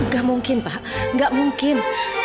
gak mungkin pak gak mungkin